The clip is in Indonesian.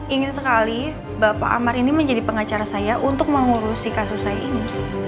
ingin sekali bapak amar ini menjadi pengacara saya untuk mengurusi kasus saya ini